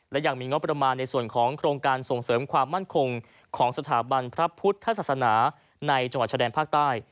และยังมีงบประมาณในส่วนของโครงการส่งเสริมความมั่นคงของสถาบันพระพุทธศาสนาในจังหวัดชะแดนภาคใต้